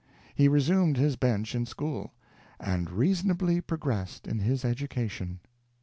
He resumed his bench in school, "and reasonably progressed in his education."